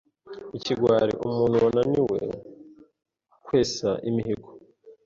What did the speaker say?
g. Ikigwari: Umuntu wananiwe kwesa imihigo